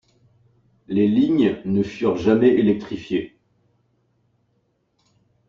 Les lignes ne furent jamais électrifiées.